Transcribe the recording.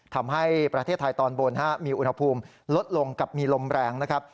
ทำให้ประเทศไทยตอนบนมีอุณหภูมิลดลงกับมีลมแรงนะครับ